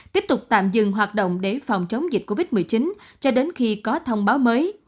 tiếp tục tạm dừng hoạt động để phòng chống dịch covid một mươi chín cho đến khi có thông báo mới